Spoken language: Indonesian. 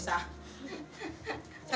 tapi ini bau tidak